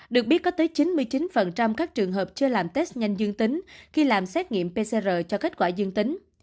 được biết có tới chín mươi chín các trường hợp chưa làm test nhanh dương tính khi làm xét nghiệm pcr cho kết quả dương tính